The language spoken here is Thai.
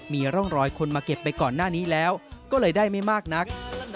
มีร่องรอยคนมาเก็บไปก่อนหน้านี้แล้วก็เลยได้ไม่มากนัก